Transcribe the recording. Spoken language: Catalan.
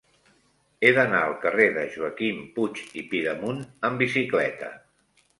He d'anar al carrer de Joaquim Puig i Pidemunt amb bicicleta.